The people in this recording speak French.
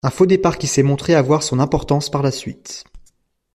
Un faux-départ qui s’est montré avoir son importance par la suite.